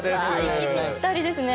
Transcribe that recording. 息ぴったりですね。